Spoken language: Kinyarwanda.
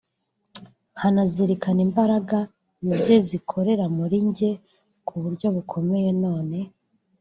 nkanazirikana imbaraga ze zikorera muri jye ku buryo bukomeye none